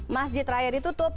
masjid raya ditutup